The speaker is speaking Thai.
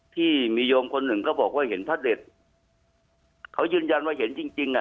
ที่มีโยมคนหนึ่งก็บอกว่าเห็นพระเด็ดเขายืนยันว่าเห็นจริงจริงอ่ะ